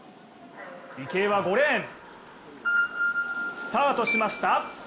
池江は５レーン、スタートしました。